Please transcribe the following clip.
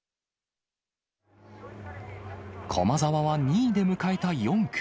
駒澤は、２位で迎えた４区。